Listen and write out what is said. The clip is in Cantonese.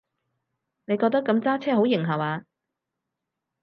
你覺得噉揸車好型下話？